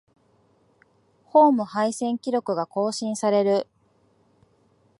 ホーム無敗記録が更新される